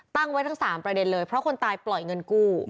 ตั้งไว้ทั้ง๓ประเด็นเลยเพราะคนตายปล่อยเงินกู้